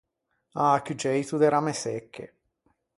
An accuggeito de ramme secche.